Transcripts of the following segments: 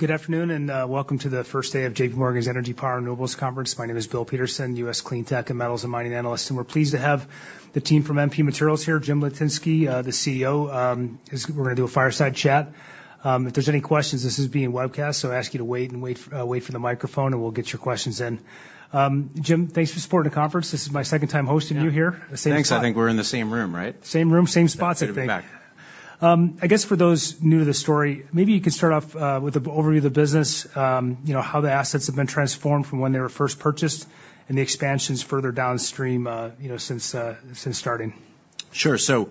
Good afternoon, and welcome to the first day of JPMorgan's Energy, Power, Renewables Conference. My name is Bill Peterson, U.S. Clean Tech and Metals and Mining Analyst, and we're pleased to have the team from MP Materials here. Jim Litinsky, the CEO, we're gonna do a fireside chat. If there's any questions, this is being webcast, so I ask you to wait for the microphone, and we'll get your questions in. Jim, thanks for supporting the conference. This is my second time hosting you here. Yeah. The same spot. Thanks. I think we're in the same room, right? Same room, same spot, I think. Great. In fact. I guess for those new to the story, maybe you could start off with an overview of the business, you know, how the assets have been transformed from when they were first purchased and the expansions further downstream, you know, since starting. Sure. So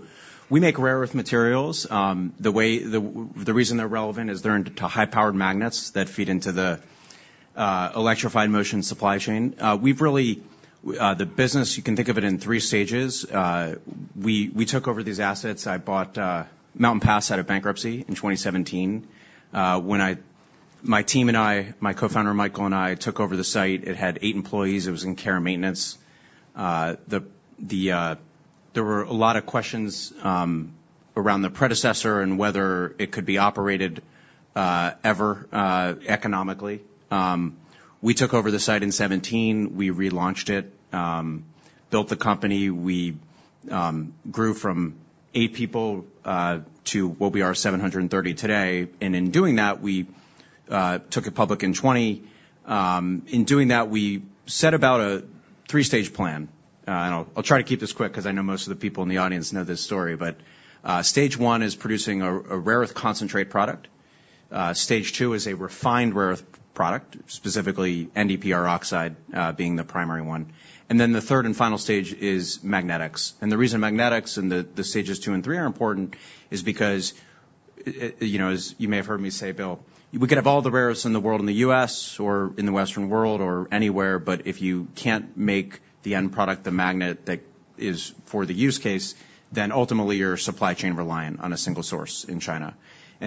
we make rare earth materials. The way the reason they're relevant is they're into high-powered magnets that feed into the electrified motion supply chain. The business, you can think of it in three stages. We took over these assets. I bought Mountain Pass out of bankruptcy in 2017. When my team and I, my co-founder Michael and I, took over the site, it had eight employees. It was in care and maintenance. There were a lot of questions around the predecessor and whether it could be operated ever economically. We took over the site in 2017, we relaunched it, built the company. We grew from eight people to what we are, 730 today. In doing that, we took it public in 2020. In doing that, we set about a three-stage plan. And I'll try to keep this quick 'cause I know most of the people in the audience know this story, but stage one is producing a rare earth concentrate product. Stage two is a refined rare earth product, specifically NdPr oxide, being the primary one. And then, the third and final stage is magnetics. The reason magnetics and the stages two and three are important is because you know, as you may have heard me say, Bill, we could have all the rare earths in the world, in the U.S. or in the Western world or anywhere, but if you can't make the end product, the magnet that is for the use case, then ultimately, you're supply chain reliant on a single source in China.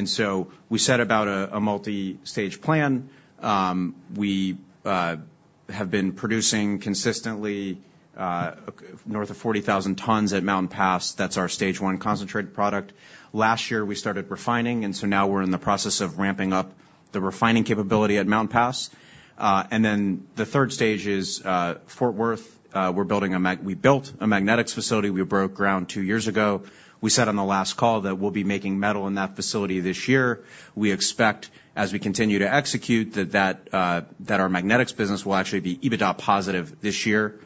So we set about a multi-stage plan. We have been producing consistently north of 40,000 tons at Mountain Pass. That's our stage one concentrate product. Last year, we started refining, and so now we're in the process of ramping up the refining capability at Mountain Pass. And then the third stage is Fort Worth. We're building a magnetics facility. We built a magnetics facility. We broke ground two years ago. We said on the last call that we'll be making metal in that facility this year. We expect, as we continue to execute, that our magnetics business will actually be EBITDA positive this year,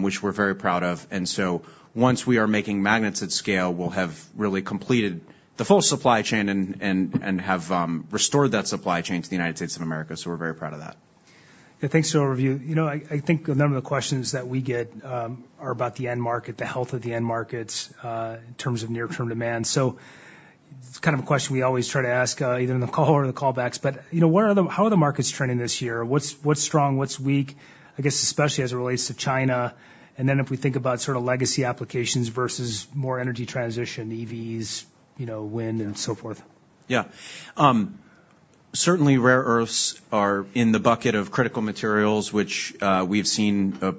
which we're very proud of. And so once we are making magnets at scale, we'll have really completed the full supply chain and have restored that supply chain to the United States of America, so we're very proud of that. Yeah, thanks for the overview. You know, I think a number of the questions that we get are about the end market, the health of the end markets in terms of near-term demand. So it's kind of a question we always try to ask either in the call or the callbacks, but, you know, what are the, how are the markets trending this year? What's strong, what's weak? I guess, especially as it relates to China, and then if we think about sort of legacy applications versus more energy transition, EVs, you know, wind, and so forth. Yeah. Certainly, rare earths are in the bucket of critical materials, which we've seen a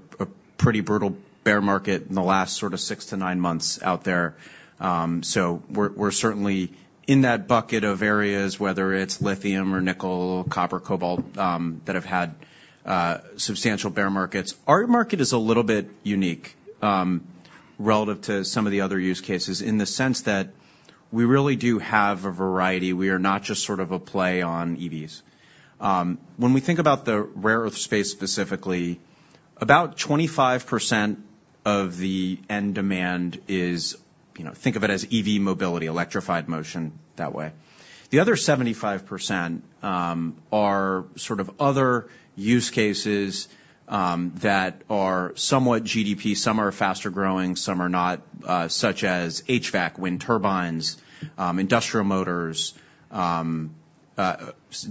pretty brutal bear market in the last sort of six to nine months out there. So we're certainly in that bucket of areas, whether it's lithium or nickel, copper, cobalt that have had substantial bear markets. Our market is a little bit unique relative to some of the other use cases, in the sense that we really do have a variety. We are not just sort of a play on EVs. When we think about the rare earth space, specifically, about 25% of the end demand is, you know, think of it as EV mobility, electrified motion that way. The other 75%, are sort of other use cases that are somewhat GDP. Some are faster-growing, some are not, such as HVAC, wind turbines, industrial motors,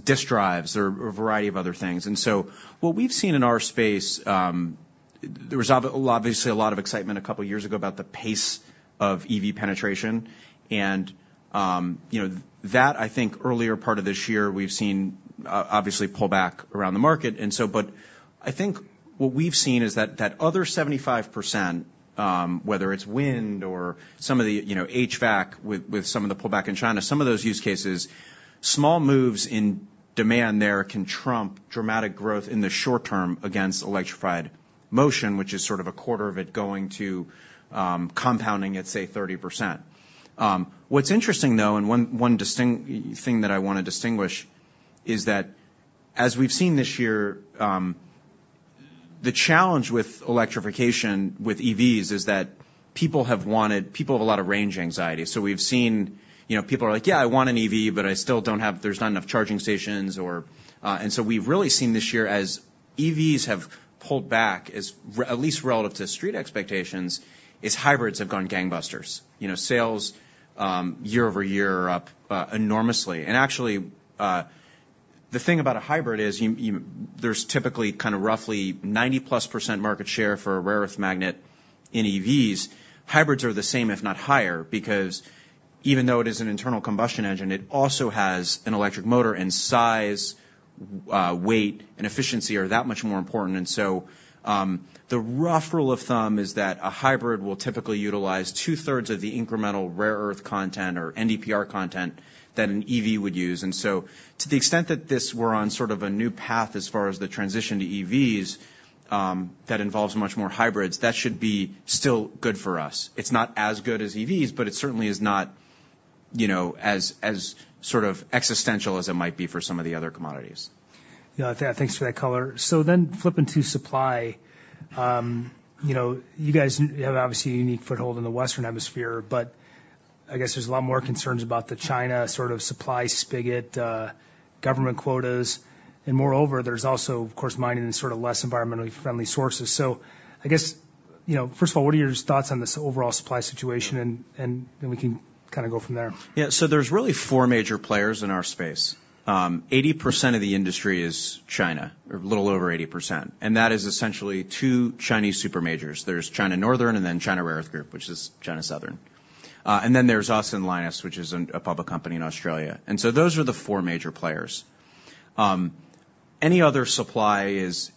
disk drives, or a variety of other things. And so what we've seen in our space, there was obviously a lot of excitement a couple of years ago about the pace of EV penetration, and, you know, that, I think, earlier part of this year, we've seen, obviously pull back around the market. And so but I think what we've seen is that, that other 75%, whether it's wind or some of the, you know, HVAC, with, with some of the pullback in China, some of those use cases, small moves in demand there can trump dramatic growth in the short term against electrified motion, which is sort of a quarter of it going to, compounding at, say, 30%. What's interesting, though, and one distinct thing that I wanna distinguish is that, as we've seen this year, the challenge with electrification, with EVs, is that people have a lot of range anxiety. So we've seen... You know, people are like: "Yeah, I want an EV, but I still don't have -- there's not enough charging stations or." And so we've really seen this year, as EVs have pulled back, at least relative to street expectations, hybrids have gone gangbusters. You know, sales year-over-year are up enormously. And actually, the thing about a hybrid is there's typically kind of roughly 90+% market share for a rare earth magnet in EVs. Hybrids are the same, if not higher, because even though it is an internal combustion engine, it also has an electric motor and size, weight and efficiency are that much more important. So, the rough rule of thumb is that a hybrid will typically utilize 2/3 of the incremental rare earth content or NdPr content that an EV would use. So to the extent that this, we're on sort of a new path as far as the transition to EVs, that involves much more hybrids, that should be still good for us. It's not as good as EVs, but it certainly is not, you know, as, as sort of existential as it might be for some of the other commodities. Yeah, thanks for that color. So then flipping to supply, you know, you guys have, obviously, a unique foothold in the Western hemisphere, but I guess there's a lot more concerns about the China sort of supply spigot, government quotas, and moreover, there's also, of course, mining in sort of less environmentally friendly sources. So I guess, you know, first of all, what are your thoughts on this overall supply situation? And then we can kinda go from there. Yeah. So there's really four major players in our space. 80% of the industry is China, or a little over 80%, and that is essentially two Chinese super majors. There's China Northern and then China Rare Earth Group, which is China Southern. And then there's us and Lynas, which is a public company in Australia. And so those are the four major players. Any other supply is,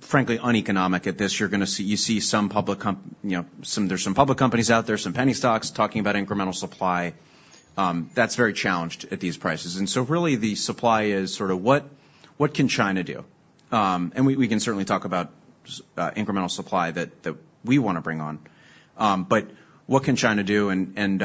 frankly, uneconomic at this. You see some public companies out there, you know, some penny stocks talking about incremental supply. That's very challenged at these prices. And so really, the supply is sort of what can China do? And we can certainly talk about incremental supply that we wanna bring on. But what can China do? In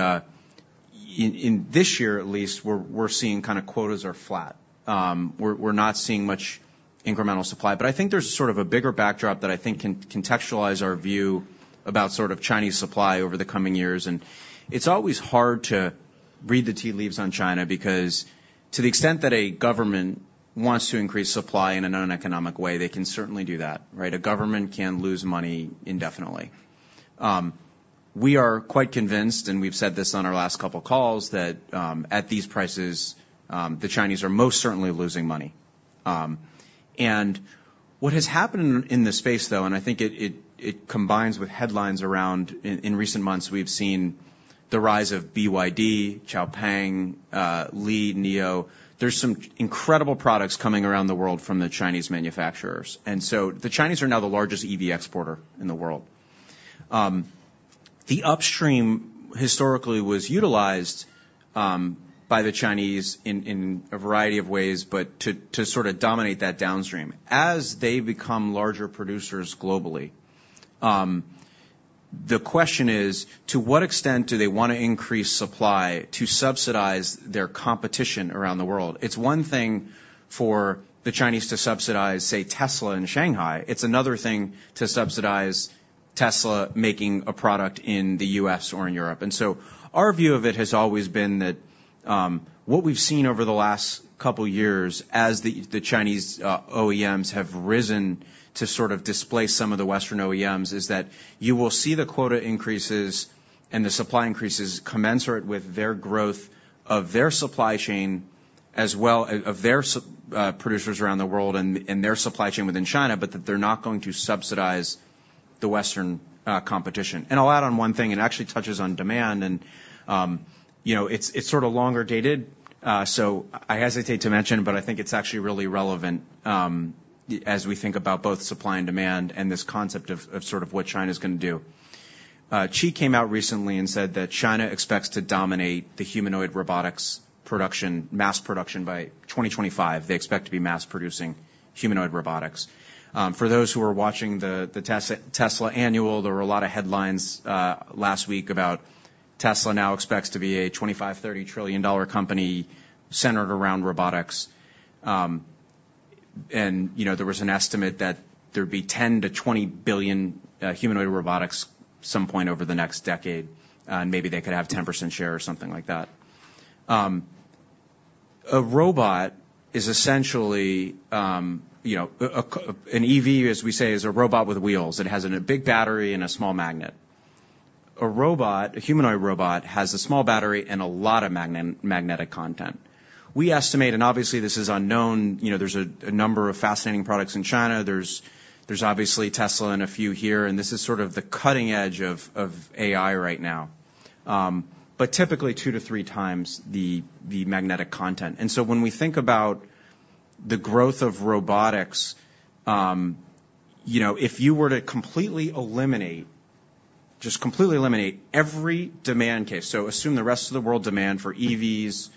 this year, at least, we're seeing kinda quotas are flat. We're not seeing much incremental supply, but I think there's sort of a bigger backdrop that I think can contextualize our view about sort of Chinese supply over the coming years. And it's always hard to read the tea leaves on China because to the extent that a government wants to increase supply in a non-economic way, they can certainly do that, right? A government can lose money indefinitely. We are quite convinced, and we've said this on our last couple of calls, that at these prices the Chinese are most certainly losing money. And what has happened in this space, though, and I think it combines with headlines around... In recent months, we've seen the rise of BYD, XPeng, Li, NIO. There's some incredible products coming around the world from the Chinese manufacturers, and so the Chinese are now the largest EV exporter in the world. The upstream, historically, was utilized by the Chinese in a variety of ways, but to sort of dominate that downstream. As they become larger producers globally, the question is: to what extent do they want to increase supply to subsidize their competition around the world? It's one thing for the Chinese to subsidize, say, Tesla in Shanghai. It's another thing to subsidize Tesla making a product in the U.S. or in Europe. And so our view of it has always been that, what we've seen over the last couple of years as the Chinese OEMs have risen to sort of displace some of the Western OEMs, is that you will see the quota increases and the supply increases commensurate with their growth of their supply chain, as well as of their producers around the world and their supply chain within China, but that they're not going to subsidize the Western competition. And I'll add on one thing, and it actually touches on demand, and, you know, it's sort of longer dated, so I hesitate to mention, but I think it's actually really relevant, as we think about both supply and demand and this concept of sort of what China's gonna do. Xi came out recently and said that China expects to dominate the humanoid robotics production, mass production, by 2025. They expect to be mass producing humanoid robotics. For those who are watching the Tesla annual, there were a lot of headlines last week about Tesla now expects to be a $25-$30 trillion company centered around robotics. And, you know, there was an estimate that there'd be 10-20 billion humanoid robotics some point over the next decade, and maybe they could have 10% share or something like that. A robot is essentially, you know, an EV, as we say, is a robot with wheels. It has a big battery and a small magnet. A robot, a humanoid robot, has a small battery and a lot of magnet, magnetic content. We estimate, and obviously, this is unknown, you know, there's a number of fascinating products in China, there's obviously Tesla and a few here, and this is sort of the cutting edge of AI right now. But typically two to three times the magnetic content. And so when we think about the growth of robotics, you know, if you were to completely eliminate, just completely eliminate every demand case, so assume the rest of the world demand for EVs,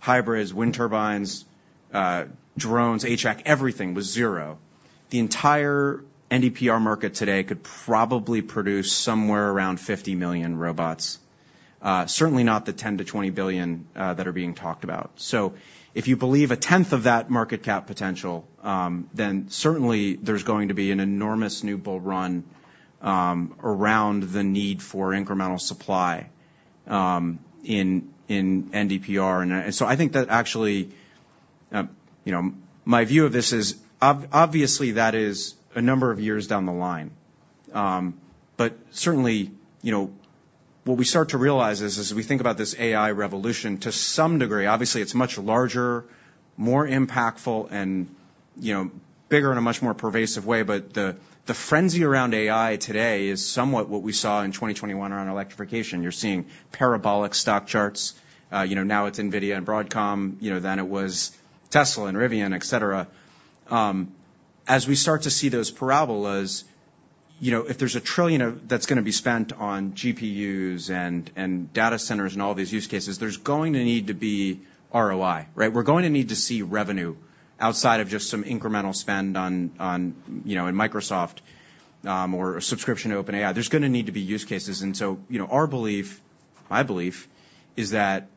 hybrids, wind turbines, drones, HVAC, everything was zero, the entire NdPr market today could probably produce somewhere around 50 million robots, certainly not the 10-20 billion that are being talked about. So if you believe a tenth of that market cap potential, then certainly there's going to be an enormous new bull run, around the need for incremental supply, in NdPr. And, so I think that actually, you know, my view of this is obviously, that is a number of years down the line. But certainly, you know, what we start to realize is, as we think about this AI revolution, to some degree, obviously, it's much larger, more impactful, and you know, bigger in a much more pervasive way, but the, the frenzy around AI today is somewhat what we saw in 2021 around electrification. You're seeing parabolic stock charts, you know, now it's NVIDIA and Broadcom, you know, then it was Tesla and Rivian, et cetera. As we start to see those parabolas, you know, if there's $1 trillion that's gonna be spent on GPUs and, and data centers, and all these use cases, there's going to need to be ROI, right? We're going to need to see revenue outside of just some incremental spend on, on, you know, in Microsoft, or a subscription to OpenAI. There's gonna need to be use cases. And so, you know, our belief, my belief, is that,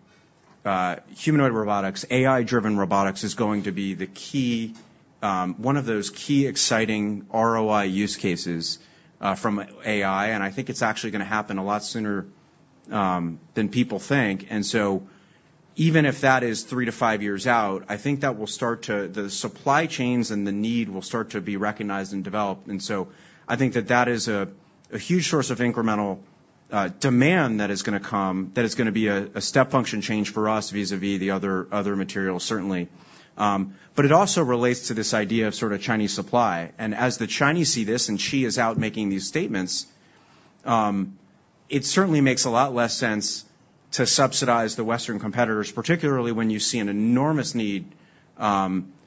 humanoid robotics, AI-driven robotics, is going to be the key, one of those key exciting ROI use cases, from AI, and I think it's actually gonna happen a lot sooner, than people think. And so even if that is three to five years out, I think that will start to-- the supply chains and the need will start to be recognized and developed. And so I think that that is a huge source of incremental demand that is gonna come, that is gonna be a step function change for us vis-à-vis the other materials, certainly. But it also relates to this idea of sort of Chinese supply. And as the Chinese see this, and Xi is out making these statements, it certainly makes a lot less sense to subsidize the Western competitors, particularly when you see an enormous need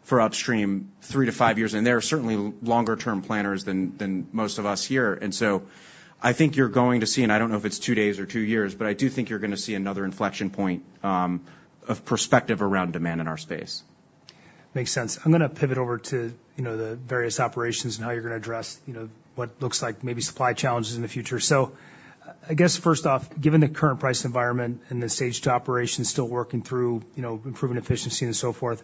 for upstream three to five years, and they are certainly longer term planners than most of us here. And so I think you're going to see, and I don't know if it's two days or two years, but I do think you're gonna see another inflection point of perspective around demand in our space. Makes sense. I'm gonna pivot over to, you know, the various operations and how you're gonna address, you know, what looks like maybe supply challenges in the future. So I guess, first off, given the current price environment and the stage to operations still working through, you know, improving efficiency and so forth,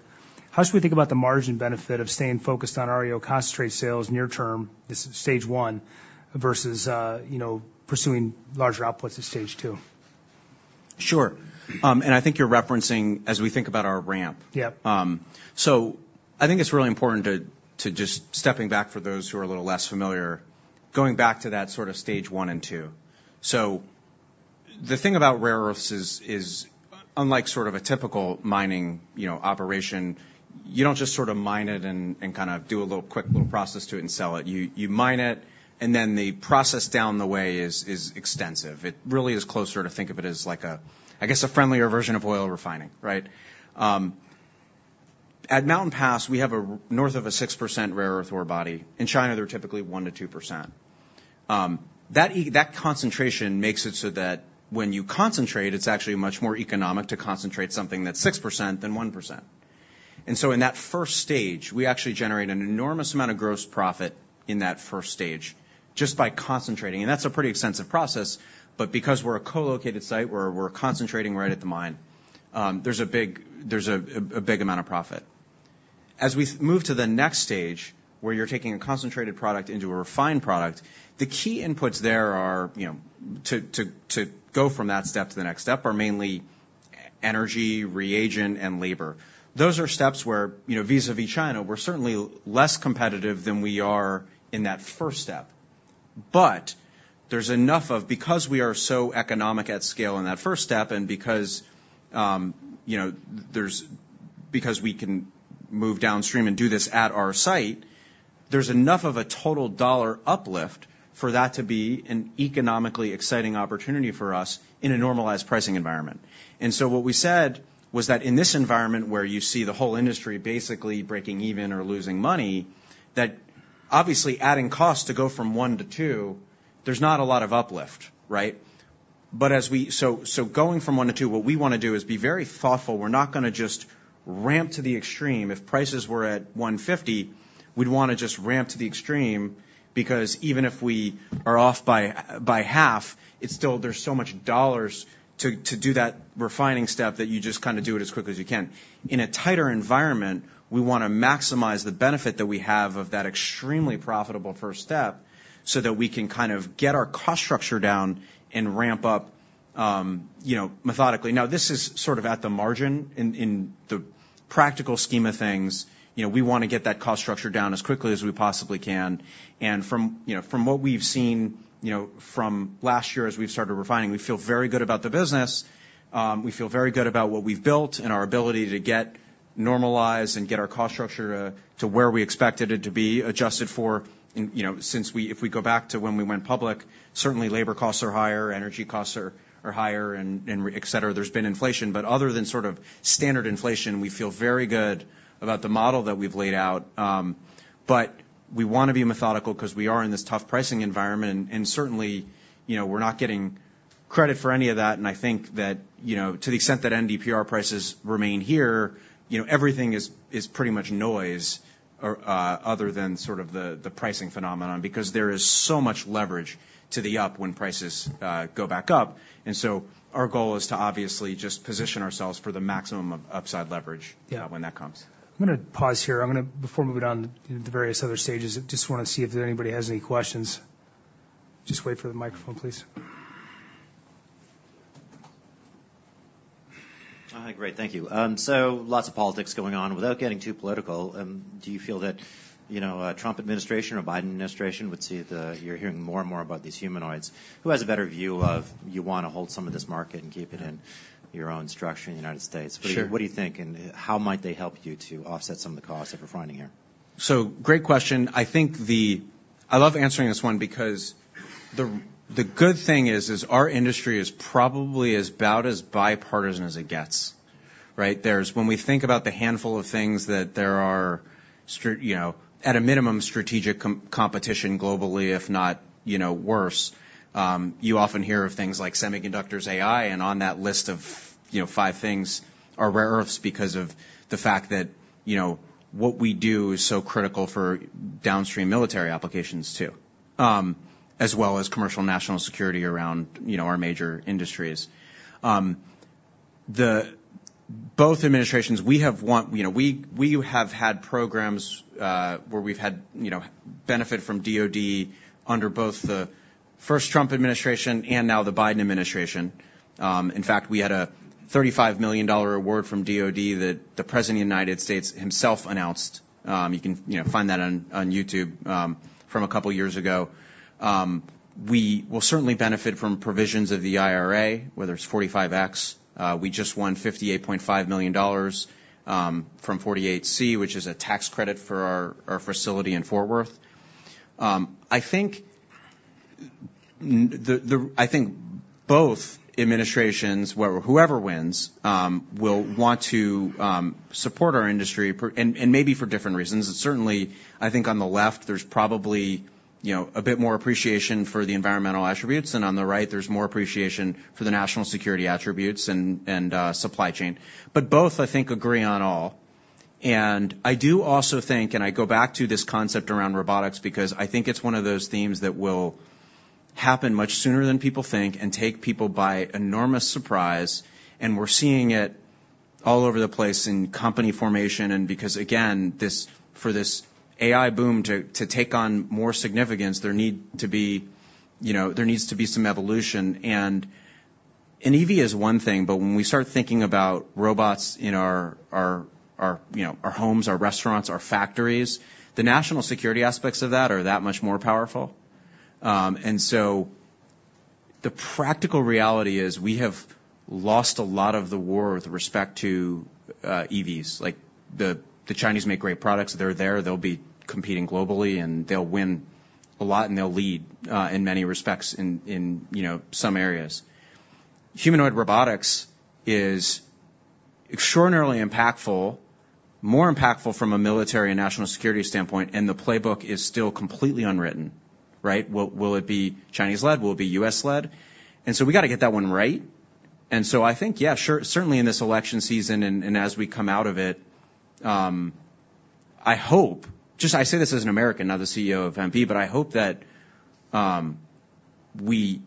how should we think about the margin benefit of staying focused on REO concentrate sales near term, this stage one, versus, you know, pursuing larger outputs at stage two? Sure. And I think you're referencing as we think about our ramp. Yep. So I think it's really important to just stepping back for those who are a little less familiar, going back to that sort of stage one and two. So the thing about rare earths is unlike sort of a typical mining, you know, operation, you don't just sort of mine it and kind of do a little quick little process to it and sell it. You mine it, and then the process down the way is extensive. It really is closer to think of it as like a, I guess, a friendlier version of oil refining, right? At Mountain Pass, we have north of a 6% rare earth ore body. In China, they're typically 1%-2%. That concentration makes it so that when you concentrate, it's actually much more economic to concentrate something that's 6% than 1%. And so in that first stage, we actually generate an enormous amount of gross profit in that first stage, just by concentrating, and that's a pretty extensive process, but because we're a co-located site where we're concentrating right at the mine, there's a big amount of profit. As we move to the next stage, where you're taking a concentrated product into a refined product, the key inputs there are, you know, to go from that step to the next step, are mainly energy, reagent, and labor. Those are steps where, you know, vis-à-vis China, we're certainly less competitive than we are in that first step. But there's enough because we are so economic at scale in that first step, and because, you know, because we can move downstream and do this at our site, there's enough of a total dollar uplift for that to be an economically exciting opportunity for us in a normalized pricing environment. And so what we said was that in this environment where you see the whole industry basically breaking even or losing money, that obviously adding costs to go from one to two, there's not a lot of uplift, right? But so, so going from one to two, what we wanna do is be very thoughtful. We're not gonna just ramp to the extreme. If prices were at $150, we'd wanna just ramp to the extreme, because even if we are off by half, it's still—there's so much dollars to do that refining step that you just kind of do it as quickly as you can. In a tighter environment, we wanna maximize the benefit that we have of that extremely profitable first step, so that we can kind of get our cost structure down and ramp up, you know, methodically. Now, this is sort of at the margin in the practical scheme of things. You know, we wanna get that cost structure down as quickly as we possibly can. And from what we've seen, you know, from last year as we've started refining, we feel very good about the business. We feel very good about what we've built and our ability to get normalized and get our cost structure to where we expected it to be, adjusted for, in, you know, since we go back to when we went public, certainly labor costs are higher, energy costs are higher, and et cetera. There's been inflation, but other than sort of standard inflation, we feel very good about the model that we've laid out. But we wanna be methodical because we are in this tough pricing environment, and certainly, you know, we're not getting credit for any of that. And I think that, you know, to the extent that NdPr prices remain here, you know, everything is, is pretty much noise, or other than sort of the, the pricing phenomenon, because there is so much leverage to the up when prices go back up. And so our goal is to obviously just position ourselves for the maximum of upside leverage- Yeah. when that comes. I'm gonna pause here. Before moving on to the various other stages, I just wanna see if anybody has any questions. Just wait for the microphone, please. Great. Thank you. So lots of politics going on. Without getting too political, do you feel that-... you know, a Trump administration or Biden administration would see the- you're hearing more and more about these humanoids. Who has a better view of you wanna hold some of this market and keep it in your own structure in the United States? Sure. What, what do you think, and how might they help you to offset some of the costs that we're finding here? So great question. I think I love answering this one because the good thing is our industry is probably about as bipartisan as it gets, right? There are when we think about the handful of things that there are strategic competition globally, if not, you know, worse, you often hear of things like semiconductors, AI, and on that list of, you know, five things are rare earths because of the fact that, you know, what we do is so critical for downstream military applications, too, as well as commercial national security around, you know, our major industries. Both administrations, we wanted, you know, we have had programs where we've had benefit from DoD under both the first Trump administration and now the Biden administration. In fact, we had a $35 million award from DoD that the President of the United States himself announced. You can, you know, find that on, on YouTube, from a couple of years ago. We will certainly benefit from provisions of the IRA, whether it's 45X. We just won $58.5 million from 48C, which is a tax credit for our facility in Fort Worth. I think both administrations, where whoever wins, will want to support our industry particularly, and maybe for different reasons. Certainly, I think on the left, there's probably, you know, a bit more appreciation for the environmental attributes, and on the right, there's more appreciation for the national security attributes and supply chain. But both, I think, agree on all. I do also think, and I go back to this concept around robotics, because I think it's one of those themes that will happen much sooner than people think and take people by enormous surprise, and we're seeing it all over the place in company formation. And because, again, this—for this AI boom to take on more significance, there need to be, you know, there needs to be some evolution. And EV is one thing, but when we start thinking about robots in our, you know, our homes, our restaurants, our factories, the national security aspects of that are that much more powerful. And so the practical reality is we have lost a lot of the war with respect to EVs. Like, the Chinese make great products. They're there, they'll be competing globally, and they'll win a lot, and they'll lead in many respects, in, you know, some areas. Humanoid robotics is extraordinarily impactful, more impactful from a military and national security standpoint, and the playbook is still completely unwritten, right? Will it be Chinese-led, will it be U.S.-led? And so we got to get that one right. And so I think, yeah, sure, certainly in this election season and, and as we come out of it, I hope, just I say this as an American, not the CEO of MP, but I hope that, we,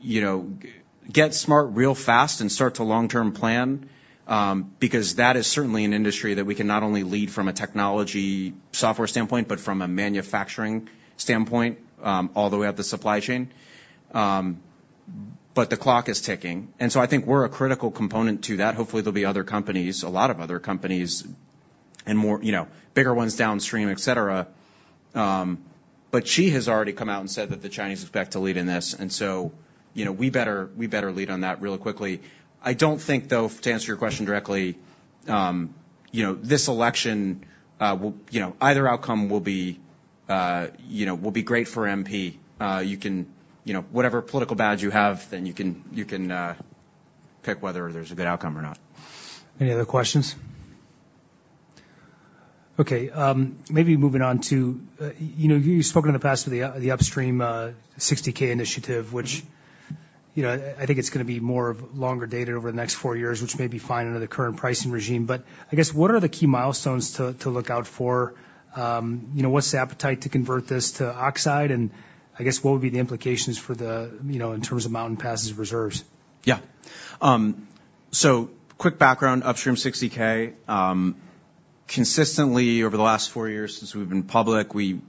you know, get smart real fast and start to long-term plan, because that is certainly an industry that we can not only lead from a technology software standpoint, but from a manufacturing standpoint, all the way up the supply chain. But the clock is ticking, and so I think we're a critical component to that. Hopefully, there'll be other companies, a lot of other companies and more, you know, bigger ones downstream, et cetera. But she has already come out and said that the Chinese expect to lead in this, and so, you know, we better, we better lead on that really quickly. I don't think, though, to answer your question directly, you know, this election, will, you know, either outcome will be, you know, will be great for MP. You can... You know, whatever political badge you have, then you can, you can, pick whether there's a good outcome or not. Any other questions? Okay, maybe moving on to, you know, you've spoken in the past to the, the Upstream 60K initiative, which, you know, I think it's gonna be more of longer dated over the next four years, which may be fine under the current pricing regime. But I guess, what are the key milestones to look out for? You know, what's the appetite to convert this to oxide? And I guess, what would be the implications for the, you know, in terms of Mountain Pass's reserves? Yeah. So quick background, Upstream 60K. Consistently over the last four years since we've been public, we've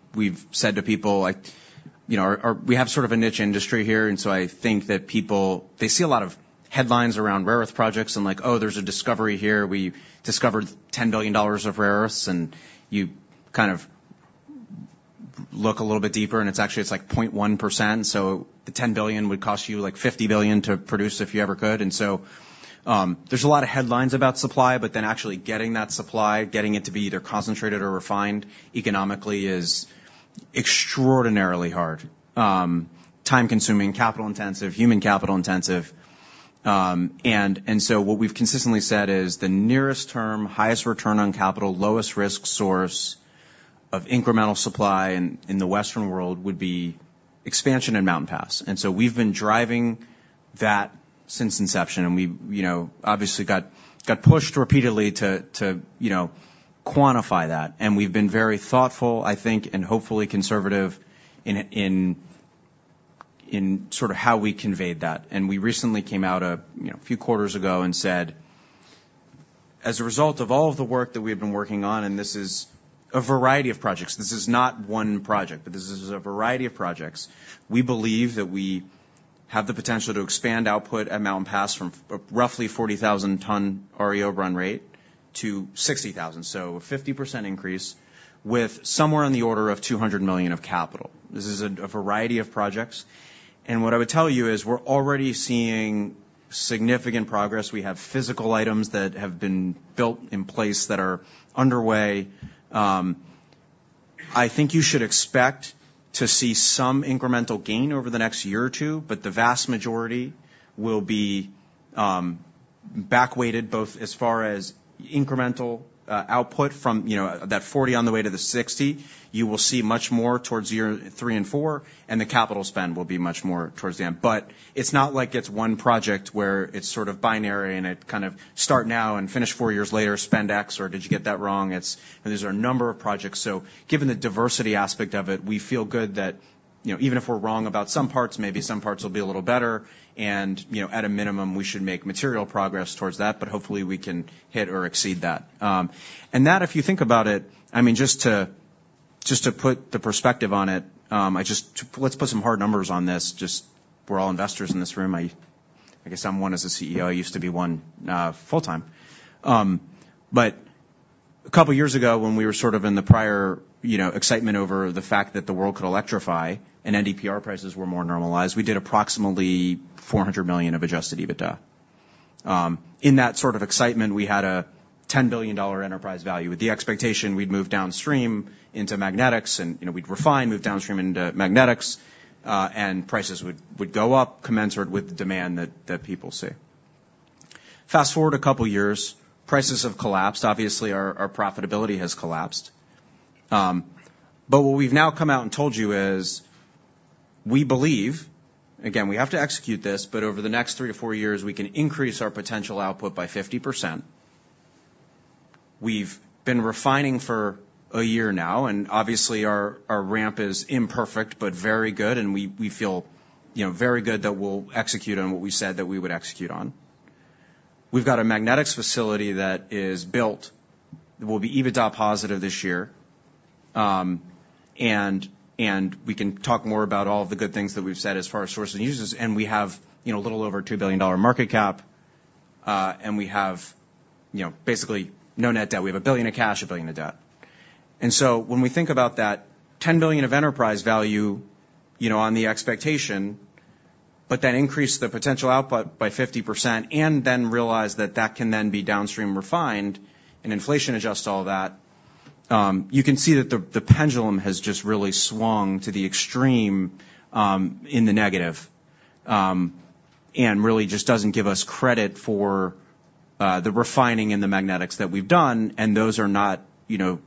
said to people, like, you know, we have sort of a niche industry here, and so I think that people, they see a lot of headlines around rare earth projects and like, "Oh, there's a discovery here. We discovered $10 billion of rare earths," and you kind of look a little bit deeper and it's actually, it's like 0.1%, so the $10 billion would cost you, like, $50 billion to produce if you ever could. And so, there's a lot of headlines about supply, but then actually getting that supply, getting it to be either concentrated or refined economically is extraordinarily hard, time-consuming, capital intensive, human capital intensive. And so what we've consistently said is the nearest term, highest return on capital, lowest risk source of incremental supply in the Western world would be expansion in Mountain Pass. And so we've been driving that since inception, and we've, you know, obviously got pushed repeatedly to quantify that. And we've been very thoughtful, I think, and hopefully conservative in sort of how we conveyed that. And we recently came out a few quarters ago and said, as a result of all of the work that we've been working on, and this is a variety of projects, this is not one project, but this is a variety of projects. We believe that we have the potential to expand output at Mountain Pass from roughly 40,000-ton REO run rate to 60,000. So a 50% increase, with somewhere in the order of $200 million of capital. This is a variety of projects, and what I would tell you is we're already seeing significant progress. We have physical items that have been built in place that are underway. I think you should expect to see some incremental gain over the next year or two, but the vast majority will be back-weighted, both as far as incremental output from, you know, that 40 on the way to the 60. You will see much more towards year three and four, and the capital spend will be much more towards the end. But it's not like it's one project where it's sort of binary, and it kind of start now and finish four years later, spend X, or did you get that wrong? These are a number of projects, so given the diversity aspect of it, we feel good that, you know, even if we're wrong about some parts, maybe some parts will be a little better. And, you know, at a minimum, we should make material progress towards that, but hopefully, we can hit or exceed that. And that, if you think about it, I mean, just to put the perspective on it, let's put some hard numbers on this. Just, we're all investors in this room. I guess I'm one as a CEO, I used to be one, full-time. But a couple of years ago, when we were sort of in the prior, you know, excitement over the fact that the world could electrify and NdPr prices were more normalized, we did approximately $400 million of adjusted EBITDA. In that sort of excitement, we had a $10 billion enterprise value, with the expectation we'd move downstream into magnetics, and, you know, we'd refine, move downstream into magnetics, and prices would, would go up, commensurate with the demand that, that people see. Fast-forward a couple of years, prices have collapsed. Obviously, our, our profitability has collapsed. But what we've now come out and told you is, we believe, again, we have to execute this, but over the next three or four years, we can increase our potential output by 50%. We've been refining for a year now, and obviously, our, our ramp is imperfect, but very good, and we, we feel, you know, very good that we'll execute on what we said that we would execute on. We've got a magnetics facility that is built, that will be EBITDA positive this year. And we can talk more about all of the good things that we've said as far as sources and uses, and we have, you know, a little over $2 billion market cap, and we have, you know, basically no net debt. We have $1 billion of cash, $1 billion of debt. And so when we think about that $10 billion of enterprise value, you know, on the expectation, but then increase the potential output by 50% and then realize that that can then be downstream refined and inflation-adjust all that, you can see that the pendulum has just really swung to the extreme, in the negative. And really just doesn't give us credit for, the refining and the magnetics that we've done, and those are not, you know,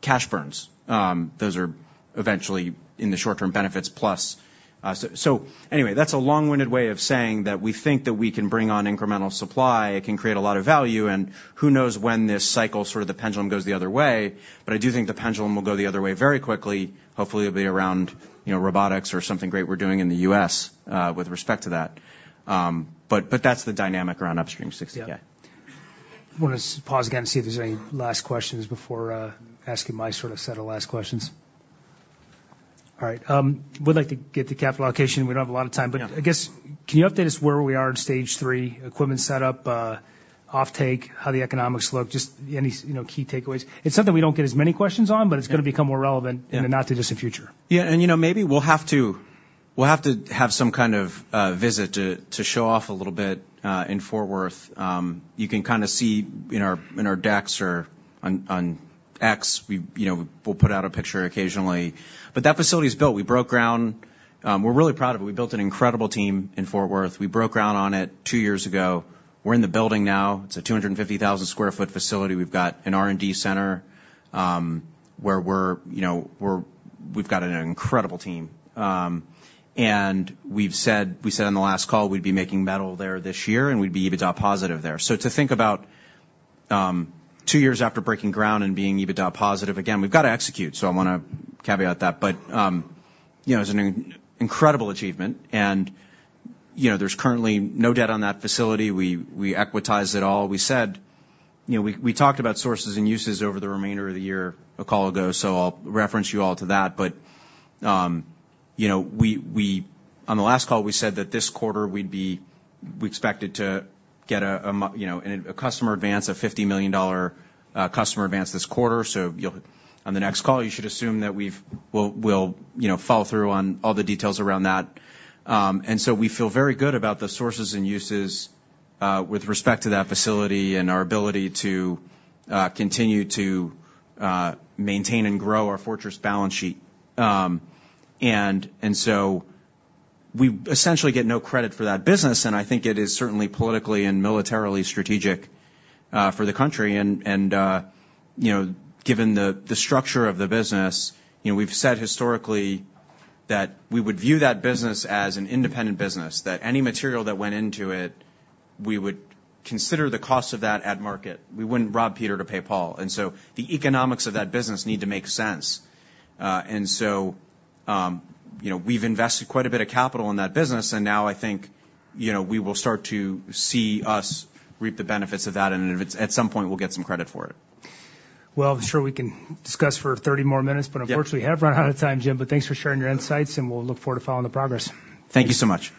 cash burns. Those are eventually in the short-term benefits plus. So, so anyway, that's a long-winded way of saying that we think that we can bring on incremental supply, it can create a lot of value, and who knows when this cycle, sort of the pendulum, goes the other way. But I do think the pendulum will go the other way very quickly. Hopefully, it'll be around, you know, robotics or something great we're doing in the U.S., with respect to that. But, but that's the dynamic around Upstream 60K. Yeah. I want to just pause again and see if there's any last questions before asking my sort of set of last questions. All right, would like to get to capital allocation. We don't have a lot of time- Yeah. But I guess, can you update us where we are in stage three, equipment set up, offtake, how the economics look, just any, you know, key takeaways? It's something we don't get as many questions on. Yeah. but it's going to become more relevant. Yeah in the not-too-distant future. Yeah, and, you know, maybe we'll have to, we'll have to have some kind of, visit to, to show off a little bit, in Fort Worth. You can kind of see in our, in our decks or on, on X, we, you know, we'll put out a picture occasionally. But that facility is built. We broke ground. We're really proud of it. We built an incredible team in Fort Worth. We broke ground on it two years ago. We're in the building now. It's a 250,000 sq ft facility. We've got an R&D center, where we're, you know, we've got an incredible team. And we've said, we said on the last call, we'd be making metal there this year, and we'd be EBITDA positive there. So to think about two years after breaking ground and being EBITDA positive, again, we've got to execute, so I wanna caveat that. But you know, it's an incredible achievement and, you know, there's currently no debt on that facility. We equitized it all. We said... You know, we talked about sources and uses over the remainder of the year, a call ago, so I'll reference you all to that. But you know, we, on the last call, we said that this quarter, we expected to get a customer advance, a $50 million customer advance this quarter. So you'll, on the next call, you should assume that we'll, you know, follow through on all the details around that. And so we feel very good about the sources and uses, with respect to that facility and our ability to continue to maintain and grow our fortress balance sheet. And so we essentially get no credit for that business, and I think it is certainly politically and militarily strategic, for the country. And, you know, given the structure of the business, you know, we've said historically that we would view that business as an independent business, that any material that went into it, we would consider the cost of that at market. We wouldn't rob Peter to pay Paul. And so the economics of that business need to make sense. And so, you know, we've invested quite a bit of capital in that business, and now I think, you know, we will start to see us reap the benefits of that, and if it's at some point, we'll get some credit for it. Well, I'm sure we can discuss for 30 more minutes- Yeah. But unfortunately, we have run out of time, Jim, but thanks for sharing your insights, and we'll look forward to following the progress. Thank you so much.